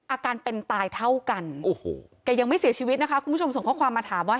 อาการเป็นตายเท่ากันโอ้โหแกยังไม่เสียชีวิตนะคะคุณผู้ชมส่งข้อความมาถามว่า